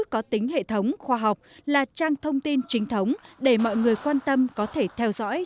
có tính hệ thống khoa học là trang thông tin chính thống để mọi người quan tâm có thể theo dõi